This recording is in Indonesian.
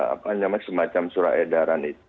apa namanya semacam surat edaran itu